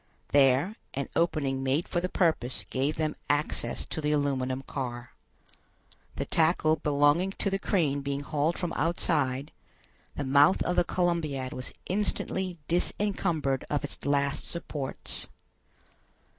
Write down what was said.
There, an opening made for the purpose gave them access to the aluminum car. The tackle belonging to the crane being hauled from outside, the mouth of the Columbiad was instantly disencumbered of its last supports.